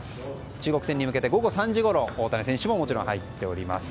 中国戦に向けて午後３時ごろ大谷選手ももちろん入っています。